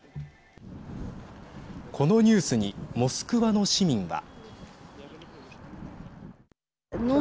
このニュースにモスクワの市民は。